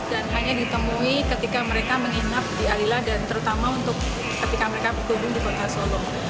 dan hanya ditemui ketika mereka menginap di alila dan terutama ketika mereka berkudung di putra solo